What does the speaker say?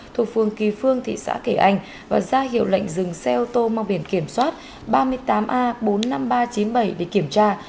thuộc phương kỳ phương thị xã kỳ anh và ra hiệu lệnh dừng xe ô tô mang biển kiểm soát ba mươi tám a bốn mươi năm nghìn ba trăm chín mươi bảy để kiểm tra